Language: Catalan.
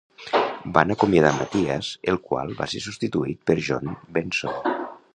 Van acomiadar Mathias, el qual va ser substituït per John Benson.